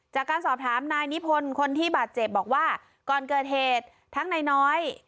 จากการสอบถามนายนิพนธ์คนที่บาดเจ็บบอกว่าก่อนเกิดเหตุทั้งนายน้อย